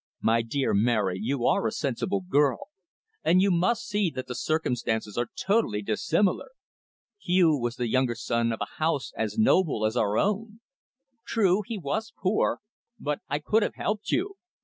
"My dear Mary, you are a sensible girl, and you must see that the circumstances are totally dissimilar. Hugh was the younger son of a house as noble as our own. True he was poor, but I could have helped you."